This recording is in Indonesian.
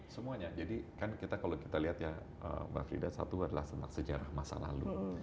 semuanya jadi kan kalau kita lihat ya mbak frida satu adalah tentang sejarah masa lalu